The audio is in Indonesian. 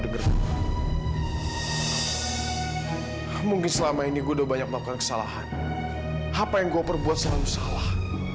terima kasih ya allah terima kasih